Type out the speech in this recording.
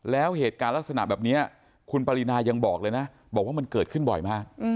แล้วเหตุการณ์ลักษณะแบบนี้คุณปรินายังบอกเลยนะบอกว่ามันเกิดขึ้นบ่อยมาก